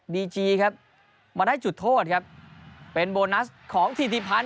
ดีจีครับมาได้จุดโทษครับเป็นโบนัสของถิติพันธ